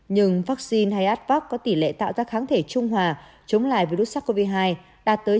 nhưng vắc xin hayat vac có tỉ lệ tạo ra kháng thể trung hòa chống lại virus sars cov hai đạt tới chín mươi chín năm mươi hai